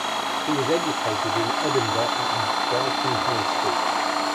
He was educated in Edinburgh at Broughton High School.